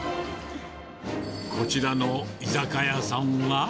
こちらの居酒屋さんは。